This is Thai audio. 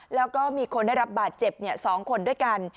แล้วก็มีคนได้รับบาดเจ็บ๒คนด้วยกัน